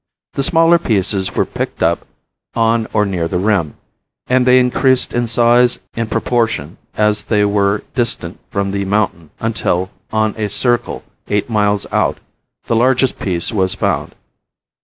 The smaller pieces were picked up on or near the rim, and they increased in size in proportion as they were distant from the mountain until, on a circle eight miles out, the largest piece was found.